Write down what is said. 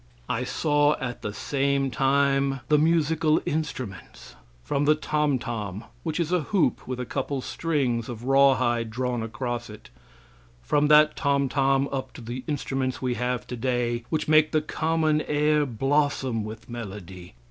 I saw at the same time the musical instruments, from the tomtom, which is a hoop with a couple of strings of rawhide drawn across it from that tomtom up to the instruments we have today, which make the common air blossom with melody.